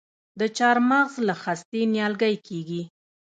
د چهارمغز له خستې نیالګی کیږي؟